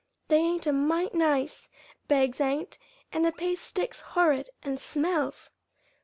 "They ain't a mite nice bags ain't; and the paste sticks horrid, and smells."